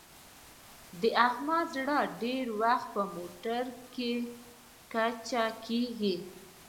د احمد زړه ډېری وخت په موټرکې کچه کېږي.